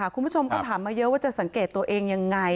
คุณผู้ชมก็ถามมาเยอะว่าจะสังเกตตัวเองยังไง